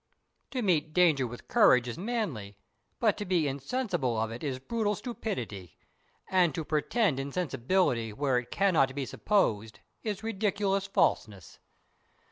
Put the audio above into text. To meet danger with courage is manly, but to be insensible of it is brutal stupidity; and to pretend insensibility where it cannot be supposed is ridiculous falseness.